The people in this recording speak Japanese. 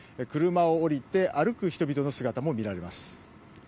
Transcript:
車を降りて歩く人々の姿も見られます。